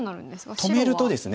止めるとですね